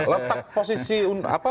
letak posisi apa